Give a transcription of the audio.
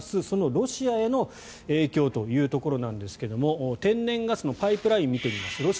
そのロシアへの影響というところなんですが天然ガスのパイプラインを見てみます。